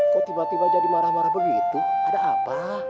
kok tiba tiba jadi marah marah begitu ada apa